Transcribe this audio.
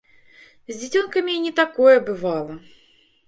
З дзіцёнкамі і не такое бывала!